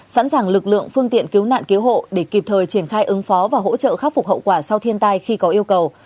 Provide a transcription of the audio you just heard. sẵn sàng lực lượng phương tiện cứu nạn cứu hộ để kịp thời triển khai ứng phó và hỗ trợ khắc phục hậu quả sau thiên tai khi có yêu cầu